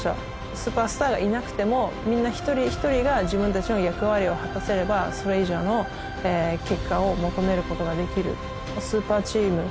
スーパースターがいなくてもみんな一人一人が自分たちの役割を果たせればそれ以上の結果を求めることができる。